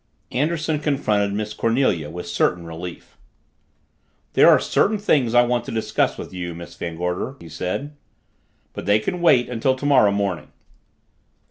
Anderson confronted Miss Cornelia with certain relief. "There are certain things I want to discuss with you, Miss Van Gorder," he said. "But they can wait until tomorrow morning."